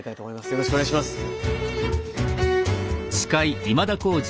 よろしくお願いします。